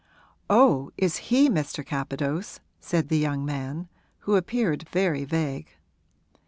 'Oh, is he Mr. Capadose?' said the young man, who appeared very vague.